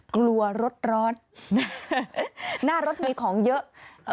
กลัวรถร้อนหน้ารถมีของเยอะ